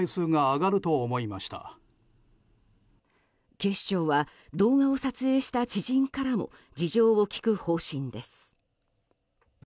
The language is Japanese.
警視庁は動画を撮影した知人からも事情を聴く方針です。